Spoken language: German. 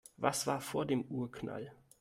Was war vor dem Urknall?